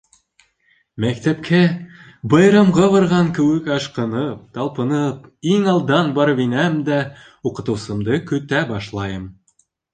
Мәктәпкә байрамға барған кеүек ашҡынып, талпынып иң алдан барып инәм дә уҡытыусымды көтә башлайым.